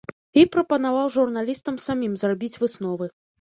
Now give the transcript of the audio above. І прапанаваў журналістам самім зрабіць высновы.